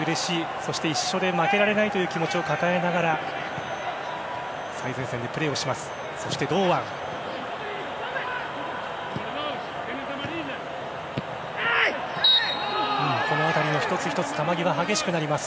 そして、一緒で負けられないという気持ちを抱えながら最前線でプレーしています。